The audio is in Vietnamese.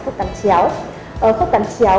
thức cắn chéo thức cắn chéo